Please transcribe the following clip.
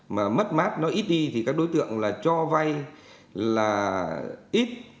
mà mất mát nó ít đi thì các đối tượng là cho vay là ít